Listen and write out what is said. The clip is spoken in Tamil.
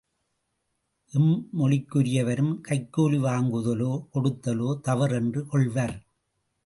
எம்மொழிக்குரியவரும் கைக்கூலி வாங்குதலோ கொடுத்தலோ தவறென்றே கொள்வர்.